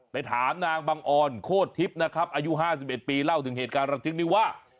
ไปถามนางบังออนโคตรทิพย์นะครับอายุ๕๑ปีเล่าถึงเหตุการณ์ระทึกนี้ว่า